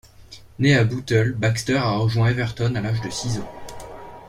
Né à Bootle, Baxter a rejoint Everton à l'âge de six ans.